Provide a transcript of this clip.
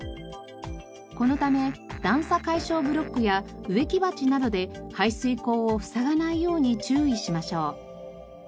このため段差解消ブロックや植木鉢などで排水口を塞がないように注意しましょう。